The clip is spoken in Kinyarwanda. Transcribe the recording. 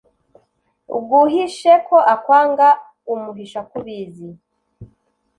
Uguhishe ko akwanga umuhisha ko ubizi.